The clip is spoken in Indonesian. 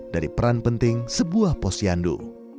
dari peran penting sebuah pos cihandu